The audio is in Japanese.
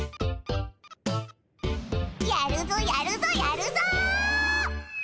やるぞやるぞやるぞ！